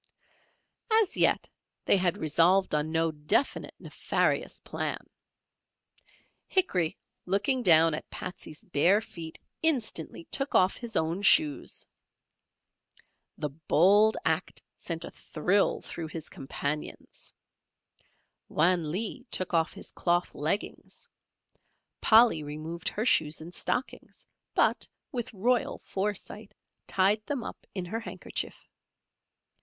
As yet they had resolved on no definite nefarious plan. Hickory looking down at Patsey's bare feet instantly took off his own shoes. The bold act sent a thrill through his companions. Wan Lee took off his cloth leggings, Polly removed her shoes and stockings, but with royal foresight, tied them up in her handkerchief.